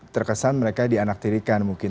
terkesan mereka dianaktirikan mungkin